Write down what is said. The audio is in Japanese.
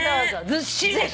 ずっしりでしょ。